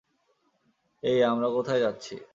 এই, আমরা কোথায় যাচ্ছি?